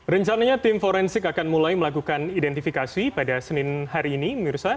rencananya tim forensik akan mulai melakukan identifikasi pada senin hari ini